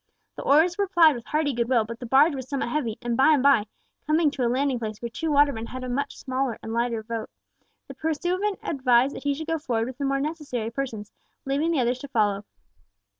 The oars were plied with hearty good will, but the barge was somewhat heavy, and by and by coming to a landing place where two watermen had a much smaller and lighter boat, the pursuivant advised that he should go forward with the more necessary persons, leaving the others to follow.